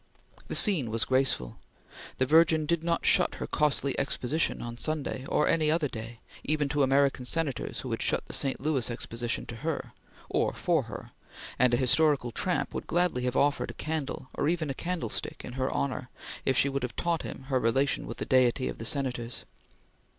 The scene was graceful. The Virgin did not shut her costly Exposition on Sunday, or any other day, even to American senators who had shut the St. Louis Exposition to her or for her; and a historical tramp would gladly have offered a candle, or even a candle stick in her honor, if she would have taught him her relation with the deity of the Senators.